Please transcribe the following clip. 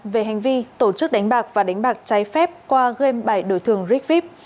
về hành vi tổ chức đánh bạc và đánh bạc trái phép qua game bài đổi thường rigvip